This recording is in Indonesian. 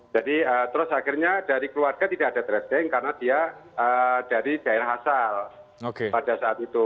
jadi terus akhirnya dari keluarga tidak ada tracing karena dia dari daerah asal pada saat itu